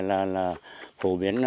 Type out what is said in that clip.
và đồng thời là cũng biện pháp